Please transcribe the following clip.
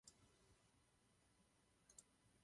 Tyto hodnoty a společenské normy se odrážejí i v politice.